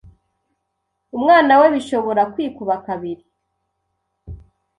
umwana we bishobora kwikuba kabiri,